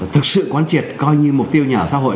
thực sự quan triệt coi như mục tiêu nhà ở xã hội